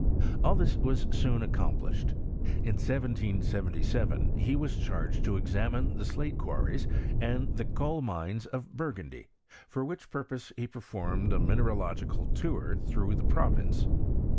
Al! this was soon accomplished. In 1777 he was charged to examine the slate quar ries and the coal mines of Burgundy, for which pur pose he performed a mineralogieal tour through the province.